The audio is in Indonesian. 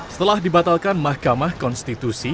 setelah dibatalkan mahkamah konstitusi